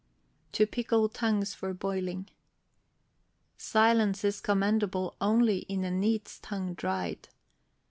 TO PICKLE TONGUES FOR BOILING. Silence is commendable only In a neat's tongue dried.